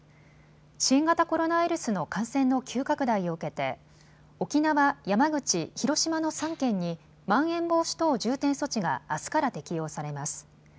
新型コロナウイルスの感染の急拡大を受けて沖縄、山口、広島の３県にまん延防止等重点措置があすから適用されます。